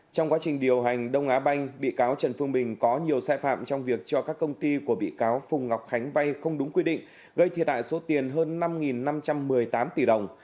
trong quá trình điều hành đông á banh bị cáo trần phương bình có nhiều sai phạm trong việc cho các công ty của bị cáo phùng ngọc khánh vay không đúng quy định gây thiệt hại số tiền hơn năm năm trăm một mươi tám tỷ đồng